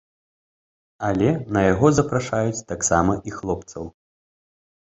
Але на яго запрашаюць таксама і хлопцаў.